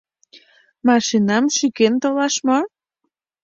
Машинам шӱкен толаш мо?